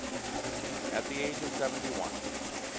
at the age of seventy one.